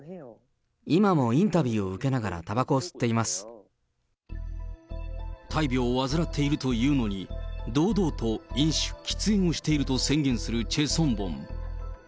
今もインタビューを受けながら、大病を患っているというのに、堂々と飲酒、喫煙をしていると宣言するチェ・ソンボン。